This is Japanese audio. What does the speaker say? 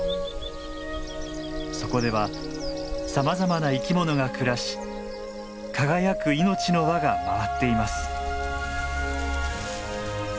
そこではさまざまな生き物が暮らし輝く命の輪が回っています。